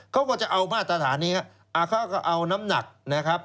เขาก็จะเอามาตรฐานนี้เขาก็เอาน้ำหนักนะครับ